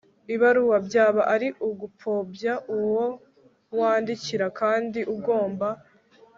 ibaruwa. byaba ari ugupfobya uwo wandikira kandi ugomba